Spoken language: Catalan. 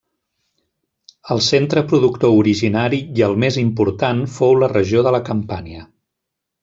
El centre productor originari i el més important fou la regió de la Campània.